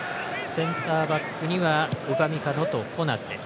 センターバックにはウパミカノとコナテ。